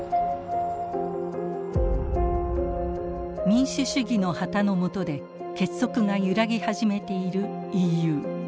民主主義の旗の下で結束が揺らぎ始めているＥＵ。